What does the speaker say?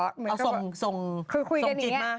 คุยกันอย่างนี้